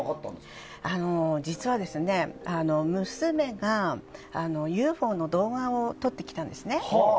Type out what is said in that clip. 実は娘がＵＦＯの動画を撮ってきたんですね。